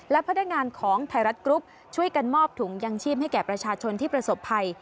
และพนักงานของไทยรัฐกรุ๊ปช่วยกันมอบถุงยังชีพให้แก่ประชาชนที่ประสบภัย